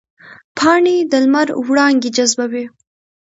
پاڼې د لمر وړانګې جذبوي